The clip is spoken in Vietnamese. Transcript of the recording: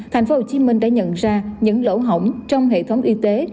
thành phố hồ chí minh đã nhận ra những lỗ hỏng trong hệ thống y tế